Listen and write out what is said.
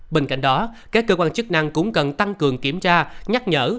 bên cạnh đó các cơ quan chức năng cũng cần tăng cường kiểm tra nhắc nhở